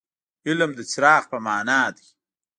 علم د څراغ په معنا دي.